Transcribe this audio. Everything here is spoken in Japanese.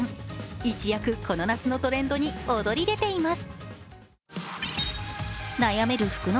一躍この夏のトレンドに躍り出ています。